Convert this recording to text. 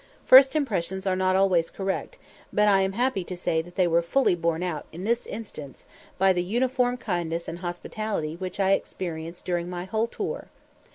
First impressions are not always correct, but I am happy to say they were fully borne out in this instance by the uniform kindness and hospitality which I experienced during my whole tour.